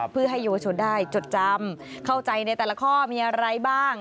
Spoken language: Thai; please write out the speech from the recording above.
เพื่อให้เยาวชนได้จดจำเข้าใจในแต่ละข้อมีอะไรบ้าง